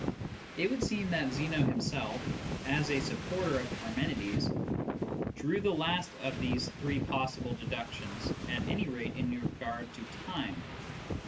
It would seem that Zeno himself, as a supporter of Parmenides, drew the last of these three possible deductions, at any rate in regard to time.